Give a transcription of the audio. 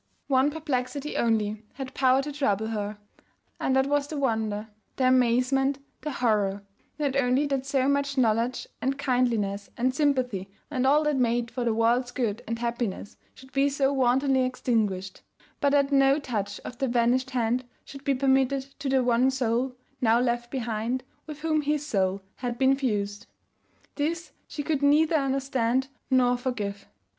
One perplexity only had power to trouble her, and that was the wonder, the amazement, the horror, not only that so much knowledge and kindliness and sympathy and all that made for the world's good and happiness should be so wantonly extinguished; but that no touch of the vanished hand should be permitted to the one soul (now left behind) with whom his soul had been fused. This she could neither understand nor forgive.